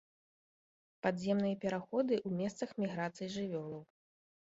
Падземныя пераходы ў месцах міграцый жывёлаў.